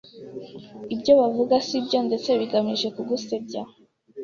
’ibyo bavuga si byo ndetse bigamije kugusebya.